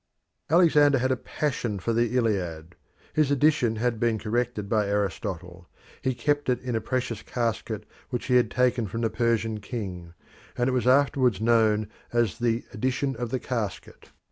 Alexander had a passion for the Iliad. His edition had been corrected by Aristotle; he kept it in a precious casket which he had taken from the Persian king, and it was afterwards known as the "edition of the casket."